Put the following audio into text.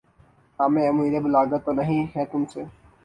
ہمیں اُمیدِ بلاغت تو نہیں ہے تُم سے